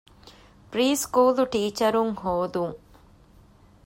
ޕްރީސުކޫލު ޓީޗަރުން ހޯދުން